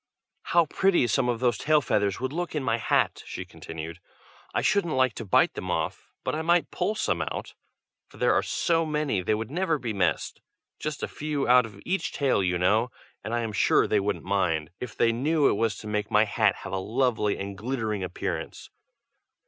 "How pretty some of those tail feathers would look in my hat!" she continued. "I shouldn't like to bite them off, but I might pull some out, for there are so many they would never be missed. Just a few out of each tail, you know; and I am sure they wouldn't mind, if they knew it was to make my hat have a lovely and glittering appearance.